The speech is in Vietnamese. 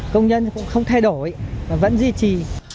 công nhân cũng không thay đổi vẫn duy trì